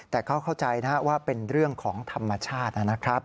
แต่ก็เข้าใจนะว่าเป็นเรื่องของธรรมชาตินะครับ